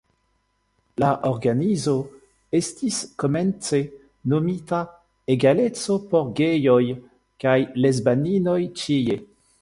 La organizo estis komence nomita "Egaleco por gejoj kaj lesbaninoj ĉie".